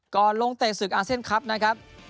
ก่อนลงเตะสึกอาเซียนคลับครับ